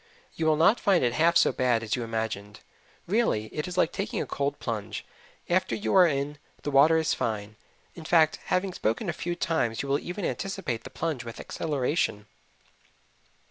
You will not find it half so bad as you imagined; really, it is like taking a cold plunge: after you are in, the water is fine. In fact, having spoken a few times you will even anticipate the plunge with exhilaration.